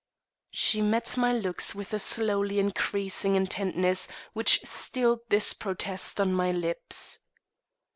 She met my looks with a slowly increasing intentness, which stilled this protest on my lips.